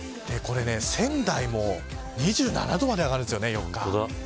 仙台も２７度まで上がるんですよね、４日は。